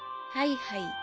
はいはい。